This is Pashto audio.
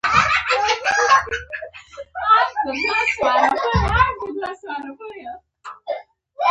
لنګۍ هم ښه خوند کوي